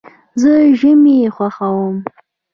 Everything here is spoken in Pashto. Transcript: زه ژمی خوښوم.